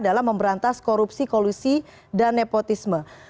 dalam memberantas korupsi kolusi dan nepotisme